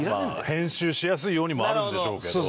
「編集しやすいように」もあるんでしょうけど。